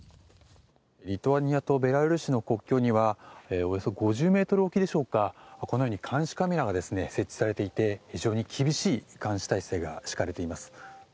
リトアニアとベラルーシの国境にはおよそ５０ｍおきでしょうかこのように監視カメラが設置されていて非常に厳しい監視体制が敷かれています。